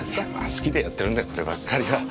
好きでやってるんでこればっかりは。